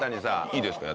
いいですか？